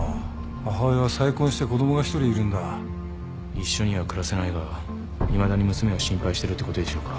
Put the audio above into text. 一緒には暮らせないがいまだに娘を心配してるってことでしょうか。